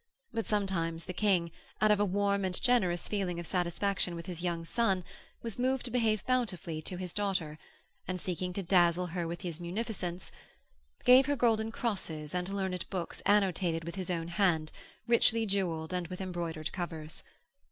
But sometimes the King, out of a warm and generous feeling of satisfaction with his young son, was moved to behave bountifully to his daughter, and, seeking to dazzle her with his munificence, gave her golden crosses and learned books annotated with his own hand, richly jewelled and with embroidered covers.